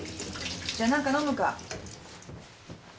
じゃ何か飲むか？